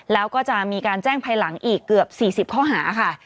แล้วก็จะมีการแจ้งภายหลังอีกเกือบ๔๐ข้อหาค่ะ